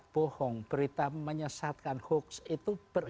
berita menyesatkan hoax itu beredar